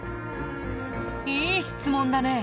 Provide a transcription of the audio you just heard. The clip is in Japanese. いい質問だね。